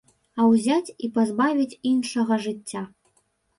А ўзяць і пазбавіць іншага жыцця.